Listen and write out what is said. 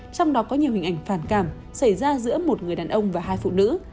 trong đó có nhiều hình ảnh phản cảm xảy ra giữa một người đàn ông và hai phụ nữ